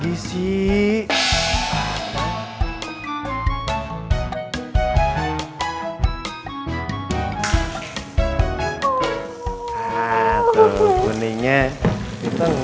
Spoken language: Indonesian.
gak usah sana